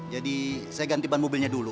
jadi saya ganti ban mobilnya dulu